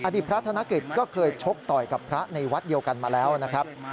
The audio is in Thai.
พระธนกฤษก็เคยชกต่อยกับพระในวัดเดียวกันมาแล้วนะครับ